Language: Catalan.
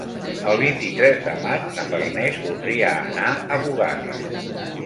El vint-i-tres de maig na Farners voldria anar a Bugarra.